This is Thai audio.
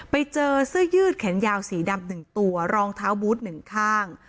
ไปเจอเสื้อยืดแขนยาวสีดำ๑ตัวรองเท้าบูธ๑ข้าง